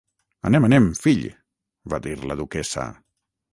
Anem, anem, fill!, va dir la duquessa.